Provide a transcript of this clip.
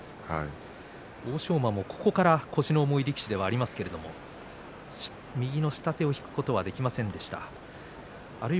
欧勝馬も腰の重い力士ではありますが右の下手を引くことができませんでした。